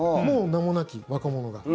名もなき若者が。